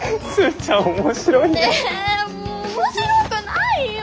ねえもう面白くないよ！